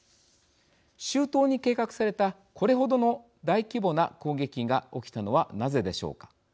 周到に計画されたこれほどの大規模な攻撃が起きたのはなぜでしょうか。